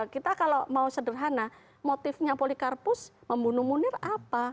kita kalau mau sederhana motifnya polikarpus membunuh munir apa